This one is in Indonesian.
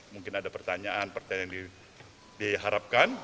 mungkin ada pertanyaan pertanyaan yang diharapkan